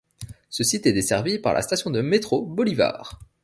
Ce site est desservi par la station de métro Bolivar.